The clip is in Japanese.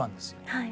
はい。